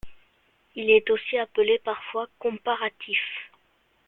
Il est aussi appelé parfois comparatif.